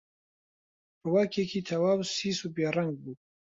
ڕووەکێکی تەواو سیس و بێڕەنگ بوو